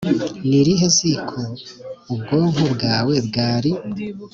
ni irihe ziko ubwonko bwawe bwari?